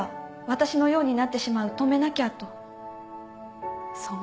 私のようになってしまう止めなきゃとそう思いました。